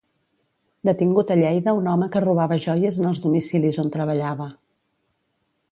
Detingut a Lleida un home que robava joies en els domicilis on treballava.